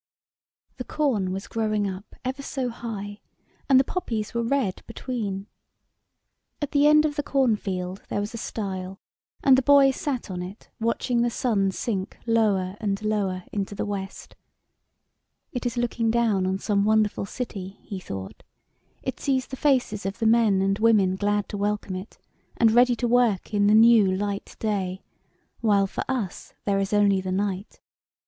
THE corn was growing up ever so high, and the poppies were red between. At the end of the corn field there was a stile, and the boy sat on it watching the sun sink lower and lower into the west. " It is looking down on some wonderful city," he thought ; "it sees the faces of the men and women glad to welcome it, and ready to work in the new light day, while for us there is only the night.